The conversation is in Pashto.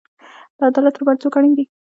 د عدالت لپاره څوک اړین دی؟